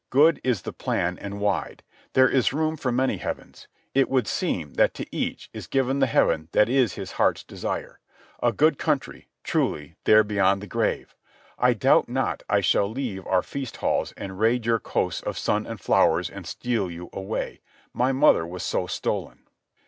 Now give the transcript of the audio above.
"Good is the plan and wide. There is room for many heavens. It would seem that to each is given the heaven that is his heart's desire. A good country, truly, there beyond the grave. I doubt not I shall leave our feast halls and raid your coasts of sun and flowers, and steal you away. My mother was so stolen."